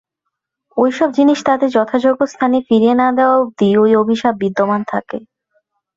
ঐসব জিনিস তাদের যথাযোগ্য স্থানে ফিরিয়ে না দেওয়া অব্দি ঐ অভিশাপ বিদ্যমান থাকে।